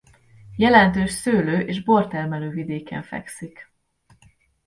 Jelentős szőlő- és bortermelő vidéken fekszik.